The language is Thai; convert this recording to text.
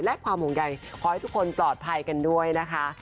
และความห่วงใยขอให้ทุกคนปลอดภัยกันด้วยนะคะ